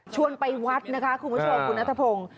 ชวนไปวัดนะคะคุณผู้ชมคุณอัตภพงษ์